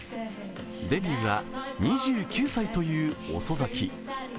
デビューは２９歳という遅咲き。